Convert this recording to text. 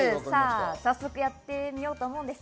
早速やってみようと思います。